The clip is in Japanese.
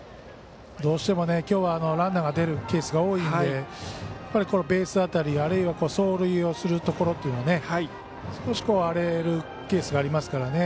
どうしても、きょうはランナーが出るケースが多いのでこのベース辺りあるいは走塁をするところは少し荒れるケースがありますから。